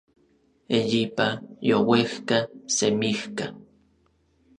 eyipa, youejka, semijka